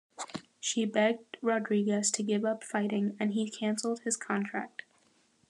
She begged Rodriguez to give up fighting and he cancelled his contract.